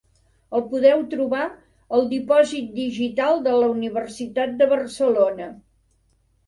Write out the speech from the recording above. El podeu trobar al Dipòsit Digital de la Universitat de Barcelona.